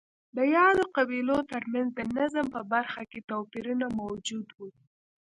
د یادو قبیلو ترمنځ د نظم په برخه کې توپیرونه موجود وو